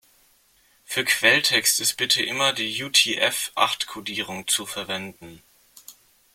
Für Quelltext ist bitte immer die UTF-acht-Kodierung zu verwenden.